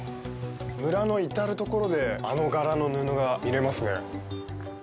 村の至る所で、あの柄の布が見れますね。